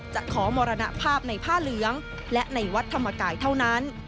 จะขอมรณภาพในผ้าเหลืองและในวัดธรรมกายเท่านั้น